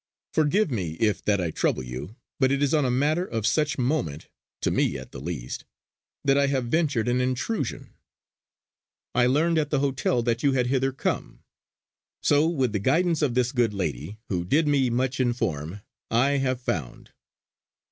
Forgive me if that I trouble you, but it is on a matter of such moment, to me at the least, that I have ventured an intrusion. I learned at the hotel that you had hither come; so with the guidance of this good lady, who did me much inform, I have found."